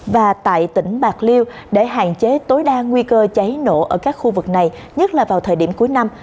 và tại tỉnh bạc liêu để hạn chế tối đa nguy cơ cháy nổ ở các khu vực này nhất là vào thời điểm cuối năm